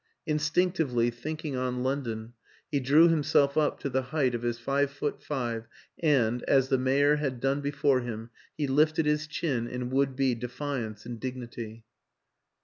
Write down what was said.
Instinc tively, thinking on London, he drew himself up to the height of his five foot five and as the mayor had done before him he lifted his chin in would be defiance and dignity.